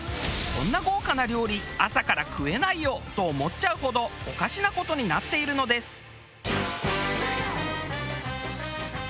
こんな豪華な料理朝から食えないよと思っちゃうほどおかしな事になっているのです。